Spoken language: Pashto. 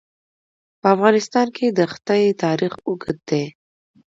په افغانستان کې د ښتې تاریخ اوږد دی.